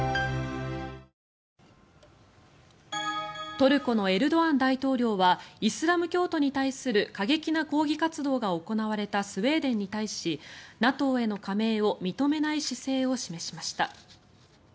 トルコのエルドアン大統領はイスラム教徒に対する過激な抗議活動が行われたスウェーデンに対しＮＡＴＯへの加盟を認めない姿勢を示しました。